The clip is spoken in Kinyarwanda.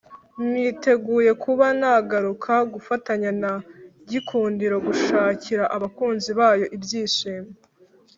niteguye kuba nagaruka gufatanya na Gikundiro gushakira abakunzi bayo ibyishimo